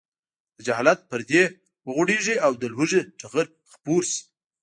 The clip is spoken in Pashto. د جهالت پردې وغوړېږي او د لوږې ټغر خپور شي.